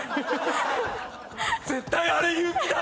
絶対あれ言う気だ！